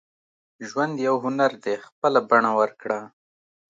• ژوند یو هنر دی، خپله بڼه ورکړه.